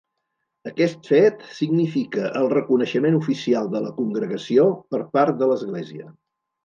Aquest fet significa el reconeixement oficial de la congregació per part de l'Església.